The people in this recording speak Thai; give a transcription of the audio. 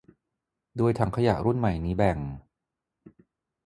โดยถังขยะรุ่นใหม่นี้แบ่ง